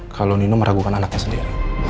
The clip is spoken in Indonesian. kalau nino meragukan anaknya sendiri